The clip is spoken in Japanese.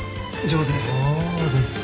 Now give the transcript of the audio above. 上手です。